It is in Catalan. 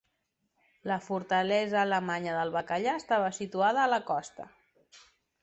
La fortalesa alemanya del bacallà estava situada a la costa.